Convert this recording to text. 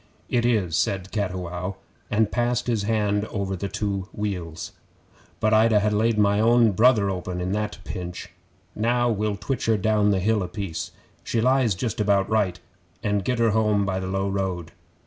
'It is,' said Cattiwow, and passed his hand over the two wheals. 'But I'd ha' laid my own brother open at that pinch. Now we'll twitch her down the hill a piece she lies just about right and get her home by the low road.